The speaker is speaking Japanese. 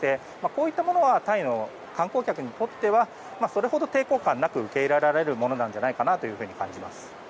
こういったものはタイの観光客にとってはそれほど抵抗感なく受け入れられるものじゃないかと感じます。